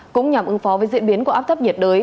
cũng nhằm ứng phó với diễn biến của áp thấp nhiệt đới